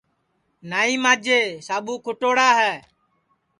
نائی ماجے ساٻو کُھٹوڑا ہے